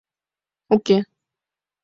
— Уке.